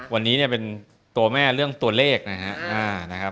วันนี้เนี่ยเป็นตัวแม่เรื่องตัวเลขนะครับ